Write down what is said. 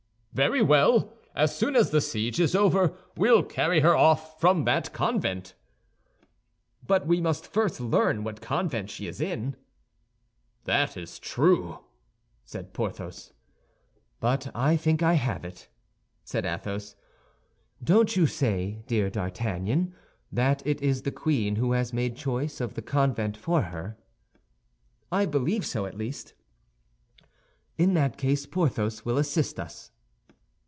"Very well. As soon as the siege is over, we'll carry her off from that convent." "But we must first learn what convent she is in." "That's true," said Porthos. "But I think I have it," said Athos. "Don't you say, dear D'Artagnan, that it is the queen who has made choice of the convent for her?" "I believe so, at least." "In that case Porthos will assist us."